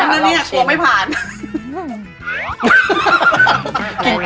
อันนี้ผมไม่ผ่าน